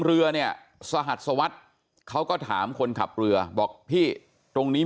เรือเนี่ยสหัสสวัสดิ์เขาก็ถามคนขับเรือบอกพี่ตรงนี้